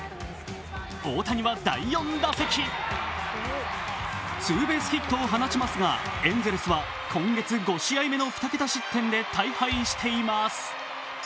大谷は第４打席ツーベースヒットを放ちますがエンゼルスは今月５試合目の２桁失点で大敗しています。